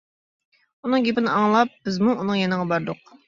ئۇنىڭ گېپىنى ئاڭلاپ بىزمۇ ئۇنىڭ يېنىغا باردۇق.